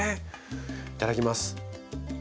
いただきます。